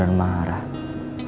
tidak ada yang bisa diharapkan